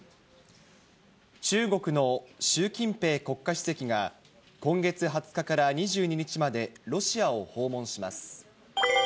中国の習近平国家主席が、今月２０日から２２日まで、ロシアを訪問します。